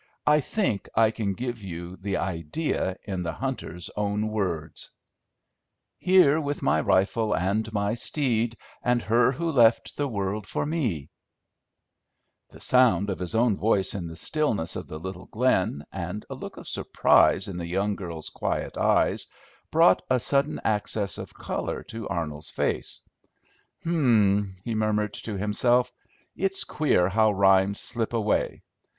I think I can give you the idea in the Hunter's own words: "'Here, with my rifle and my steed, And her who left the world for me'" The sound of his own voice in the stillness of the little glen, and a look of surprise in the young girl's quiet eyes, brought a sudden access of color to Arnold's face. "Hm m m," he murmured to himself, "it's queer how rhymes slip away.